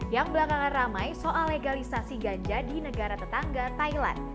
yang belakangan ramai soal legalisasi ganja di negara tetangga thailand